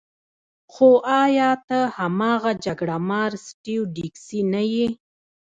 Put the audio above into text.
خو ایا ته هماغه جګړه مار سټیو ډیکسي نه یې